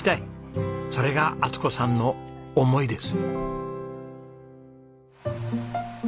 それが充子さんの思いです。